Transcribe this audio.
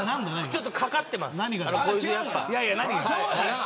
ちょっと、かかってます。